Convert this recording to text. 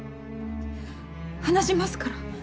話しますから。